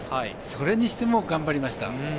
それにしても頑張りました。